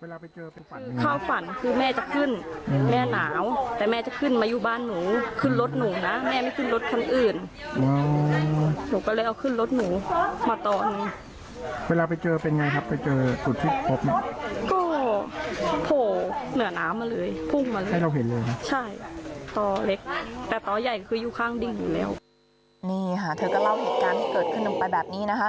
นี่ค่ะเธอก็เล่าเหตุการณ์เกิดขึ้นลงไปแบบนี้นะคะ